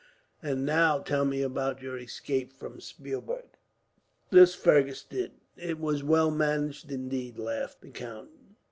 "And now, tell me about your escape from Spielberg." This Fergus did. "It was well managed, indeed," laughed the count.